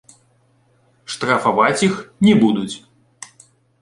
Штрафаваць іх не будуць.